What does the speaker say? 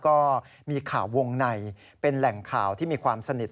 ก็มีข่าววงในเป็นแหล่งข่าวที่มีความสนิท